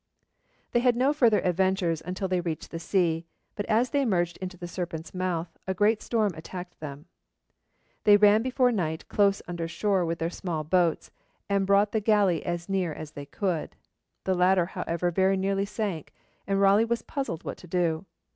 They had no further adventures until they reached the sea; but as they emerged into the Serpent's Mouth, a great storm attacked them. They ran before night close under shore with their small boats, and brought the galley as near as they could. The latter, however, very nearly sank, and Raleigh was puzzled what to do.